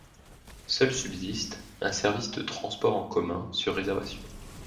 Seul subsiste, un service de transport en commun sur réservation.